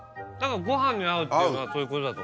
ご飯に合うっていうのはそういうことだと。